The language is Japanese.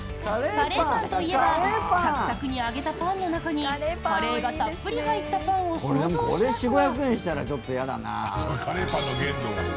カレーパンといえばサクサクに揚げたパンの中にカレーがたっぷり入ったパンを想像しますが。